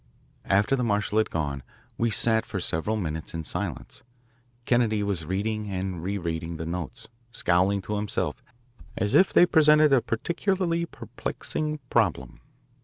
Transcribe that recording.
After the marshal had gone, we sat for several minutes in silence. Kennedy was reading and rereading the notes, scowling to himself as if they presented a particularly perplexing problem.